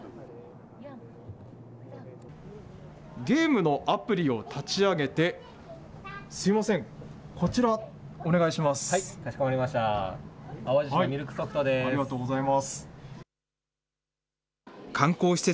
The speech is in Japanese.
ゲームのアプリを立ち上げて、すみません、こちら、お願いしまかしこまりました。